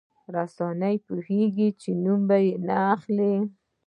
رسنۍ پوهېږي چې د نومونه به نه اخلي.